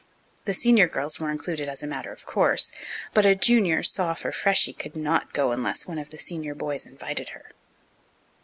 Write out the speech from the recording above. The senior girls were included as a matter of course, but a junior, soph, or freshie could not go unless one of the senior boys invited her.